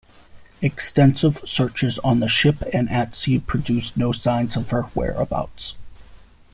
Extensive searches on the ship and at sea produced no signs of her whereabouts.